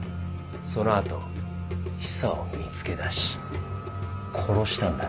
そのあとヒサを見つけ出し殺したんだな？